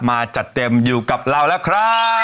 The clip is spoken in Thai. มาจัดเต็มอยู่กับเราแล้วครับ